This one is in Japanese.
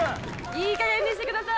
いいかげんにしてください！